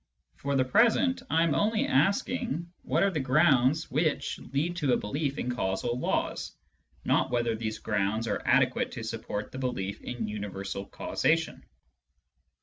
For the present, I am only asking what are the grounds which lead to a belief in causal laws, not whether these grounds are adequate to support the belief in universal causation.